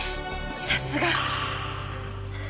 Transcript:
さすが！